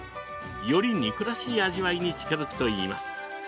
より肉らしい味わいに近づくといいます。